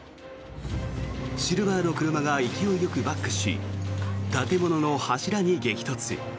シルバーの車が勢いよくバックし建物の柱に激突。